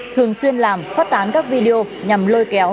thường xuyên làm phát tán các video nhằm lôi kéo